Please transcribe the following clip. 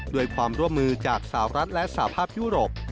ด้วยความร่วมมือจากสาวรัฐและสหภาพยุโรป